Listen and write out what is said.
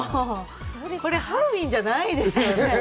これハロウィーンじゃないですよね。